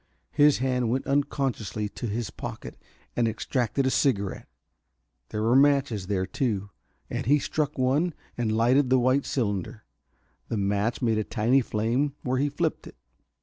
His hand went unconsciously to his pocket and extracted a cigarette. There were matches there, too, and he struck one and lighted the white cylinder. The match made a tiny flame where he flipped it.